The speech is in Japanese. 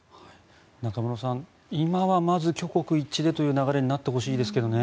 中室さん、今はまず挙国一致でという流れになってほしいですけどね。